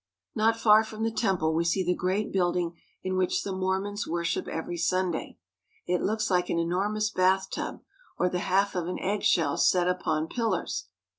Not far from the temple, we see the great building in which the Mormons worship every Sunday. It looks like an enormous bath tub, or the half of an eggshell set upon pillars.